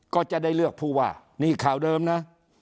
ก็จะได้เลือกผู้ว่านี่ข่าวเดิมนะ